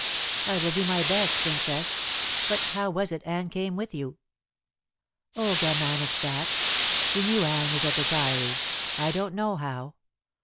"I will do my best, Princess. But how was it Anne came with you?" "Olga managed that. She knew Anne was at the Priory. I don't know how.